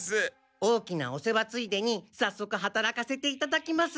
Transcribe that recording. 大きなお世話ついでにさっそく働かせていただきます。